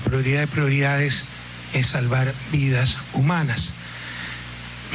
prioritas prioritasnya adalah menyelamatkan kehidupan manusia